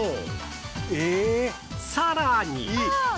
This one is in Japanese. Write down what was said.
さらに